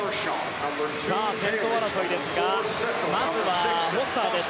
先頭争いですがまずはフォスターです。